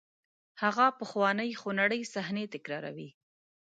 هغه پخوانۍ خونړۍ صحنې تکراروئ.